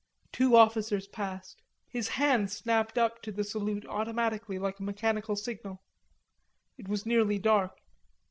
Two officers passed. His hand snapped up to the salute automatically, like a mechanical signal. It was nearly dark.